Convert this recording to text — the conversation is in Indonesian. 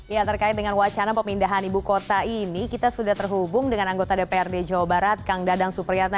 ya terkait dengan wacana pemindahan ibu kota ini kita sudah terhubung dengan anggota dprd jawa barat kang dadang supriyatna